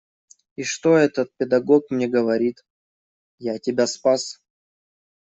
И что этот педагог мне говорит: я тебя спас.